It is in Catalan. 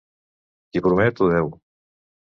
Qui promet ho deu.